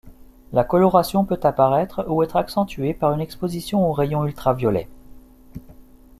La coloration peut apparaître ou être accentuée par une exposition aux rayons ultra-violets.